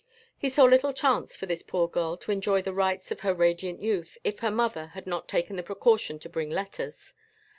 He saw little chance for this poor girl to enjoy the rights of her radiant youth if her mother had not taken the precaution to bring letters.